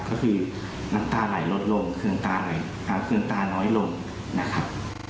ก็คือน้ำตาไหลลดลงเครื่องตาน้อยลงนะครับ